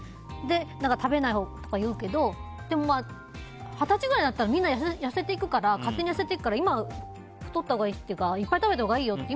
食べないほうがいいけど二十歳ぐらいになったらみんな勝手に痩せていくから今、太ったほうがいいというかいっぱい食べたほうがいいよって。